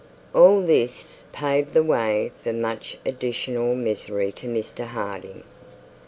All this paved the way for much additional misery to Mr Harding.